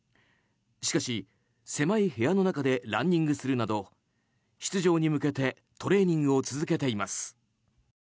しかし、狭い部屋の中でランニングするなど出場に向けてトレーニングを続けています。